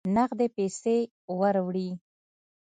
نغدي پیسې وروړي.